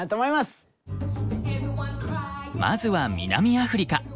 まずは南アフリカ。